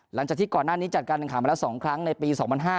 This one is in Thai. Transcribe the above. หลังจากที่ก่อนหน้านี้จัดการแข่งขันมาแล้ว๒ครั้งในปี๒๕๕๙